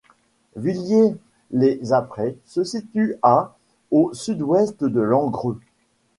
Villiers-lès-Aprey se situe à au sud-ouest de Langres.